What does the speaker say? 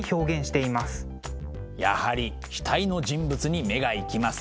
やはり額の人物に目が行きます。